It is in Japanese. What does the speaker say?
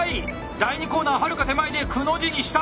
第２コーナーはるか手前で「くの字」にした！